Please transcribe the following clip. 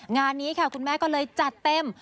งานนี้ค่ะคุณแม่ก็เลยจัดเต็ม